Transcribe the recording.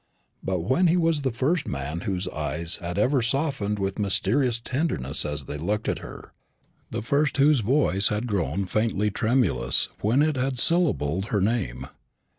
But then he was the first man whose eyes had ever softened with a mysterious tenderness as they looked at her the first whose voice had grown faintly tremulous when it syllabled her name.